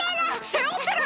背負ってる！